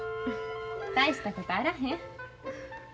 大したことあらへん。